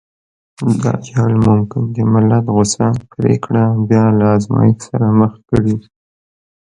دا جال ممکن د ملت غوڅه پرېکړه بيا له ازمایښت سره مخ کړي.